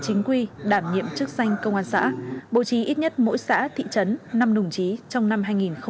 chính quy đảm nhiệm chức sanh công an xã bộ trí ít nhất mỗi xã thị trấn năm nùng trí trong năm